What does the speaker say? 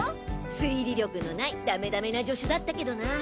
推理力のないダメダメな助手だったけどな。